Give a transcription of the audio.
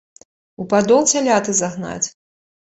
У падол цяляты загнаць?